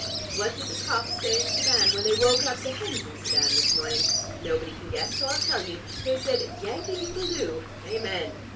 What did the cocks say in Sedan when they woke up the hens in Sedan this morning! Nobody can guess, so I'll tell you. They said, 'Yankee doodle doo. Amen.'